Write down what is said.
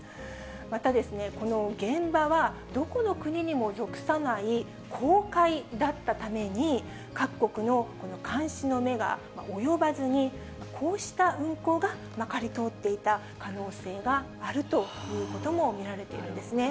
また、この現場はどこの国にも属さない公海だったために、各国の監視の目が及ばずに、こうした運航がまかりとおっていた可能性があるということも見られているんですね。